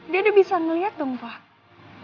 dia udah bisa ngeliat dong pak